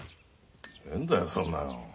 変だよそんなの。